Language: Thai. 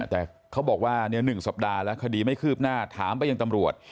แต่เขาบอกว่า๑สัปดาห์แล้วคดีไม่คืบหน้าถามไปยังตำรวจ